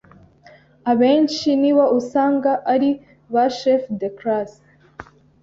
abenshi nibo usanga ari ba chéf de classe